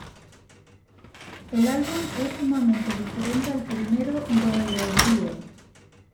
El álbum es sumamente diferente al primero Doe Or Die.